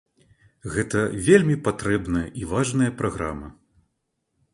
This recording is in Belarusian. Гэта вельмі патрэбная і важная праграма.